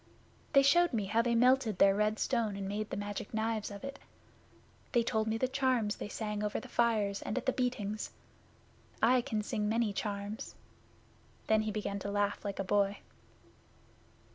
They showed me how they melted their red stone and made the Magic Knives of it. They told me the charms they sang over the fires and at the beatings. I can sing many charms.' Then he began to laugh like a boy.